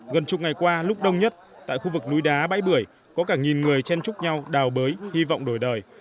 gần chục ngày qua lúc đông nhất tại khu vực núi đá bãi bưởi có cả nghìn người chen chúc nhau đào bới hy vọng đổi đời